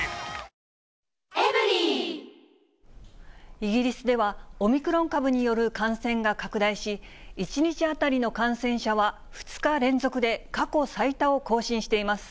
イギリスでは、オミクロン株による感染が拡大し、１日当たりの感染者は、２日連続で過去最多を更新しています。